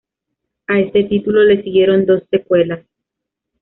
A este título le siguieron dos secuelas.